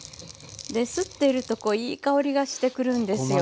ですってるとこういい香りがしてくるんですよ。